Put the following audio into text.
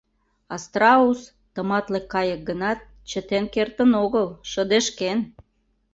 А страус, тыматле кайык гынат, чытен кертын огыл — шыдешкен.